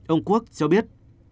ông quốc cho biết